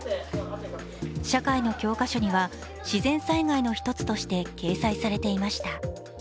「社会」の教科書には自然災害の一つとして掲載されていました。